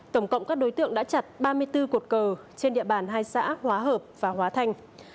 tổng cộng các đối tượng đã chặt ba mươi bốn cột cờ trên địa bàn hai xã hóa hợp và hóa thành